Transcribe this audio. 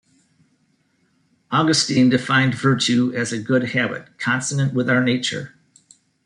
Augustine defined virtue as a good habit consonant with our nature.